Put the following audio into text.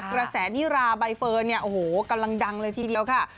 กระแสนิราใบเฟิร์นเนี่ยโอ้โหกำลังดังเลยทีเดียวค่ะ